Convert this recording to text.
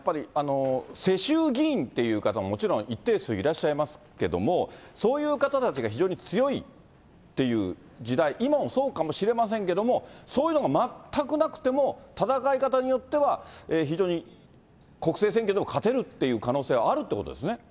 ですからやっぱり、大濱崎さん、やっぱり世襲議員という方、もちろん一定数いらっしゃいますけれども、そういう方たちが非常に強いっていう時代、今もそうかもしれませんけれども、そういうのが全くなくても、戦い方によっては、非常に国政選挙でも勝てるっていう可能性はあるということですね。